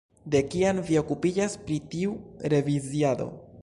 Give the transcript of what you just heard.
De kiam vi okupiĝas pri tiu reviziado?